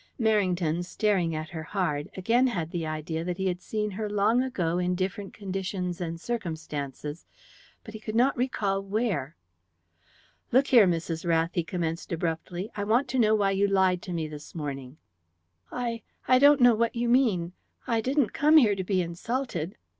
Merrington, staring at her hard, again had the idea that he had seen her long ago in different conditions and circumstances, but he could not recall where. "Look here, Mrs. Rath," he commenced abruptly. "I want to know why you lied to me this morning." "I I don't know what you mean. I didn't come here to be insulted."